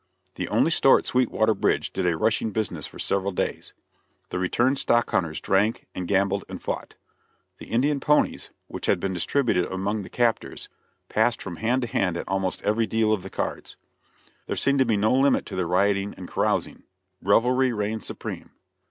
The only store at Sweetwater Bridge did a rushing business for several days. The returned stock hunters drank, and gambled and fought. The Indian ponies, which had been distributed among the captors, passed from hand to hand at almost every deal of the cards. There seemed to be no limit to the rioting, and carousing; revelry reigned supreme.